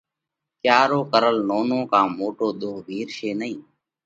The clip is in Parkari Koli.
ڪيا رو ڪرل نونو ڪا موٽو ۮوه وِيهارشي نئين۔